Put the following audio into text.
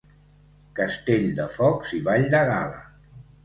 Castell de focs i ball de gala.